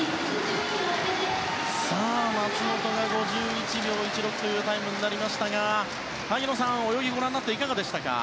松元が５１秒６６というタイムでしたが萩野さん、泳ぎご覧になっていかがでしたか？